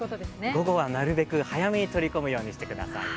午後はなるべく早めに取り込むようにしてくださいね。